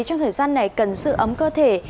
trong thời gian này cần sự ấm cơ thể